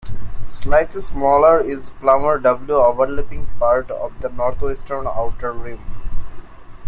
Slightly smaller is Plummer W overlapping part of the northwestern outer rim.